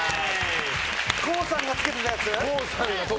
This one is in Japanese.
ＫＯＯさんがつけたやつ。